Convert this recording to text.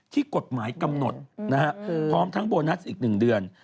ที่กฎหมายกำหนดพร้อมทั้งโบนัสอีก๑เดือน